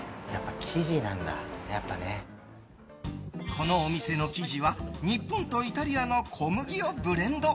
このお店の生地は日本とイタリアの小麦をブレンド。